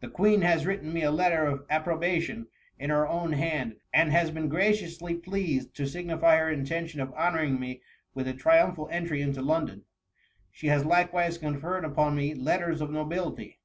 The Queen has written me a letter of approbation in her own hand, and has been graciously pleased to signify her intention of honouring me with a triumphal entry into London ; she has likewise conferred upon me letters of nobility.